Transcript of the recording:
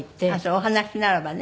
お話しならばね。